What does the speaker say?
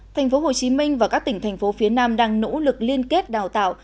thành phố hồ chí minh và các tỉnh thành phố phía nam đang nỗ lực liên kết đào tạo